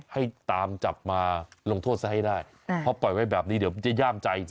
ให้ตามจับมาลงโทษซะให้ได้เพราะปล่อยไว้แบบนี้เดี๋ยวมันจะย่ามใจ